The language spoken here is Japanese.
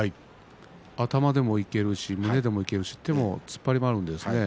頭でもいけるし胸でもいけるし、手も突っ張りもあるんですね。